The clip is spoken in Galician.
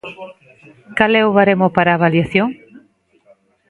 ¿Cal é o baremo para a avaliación?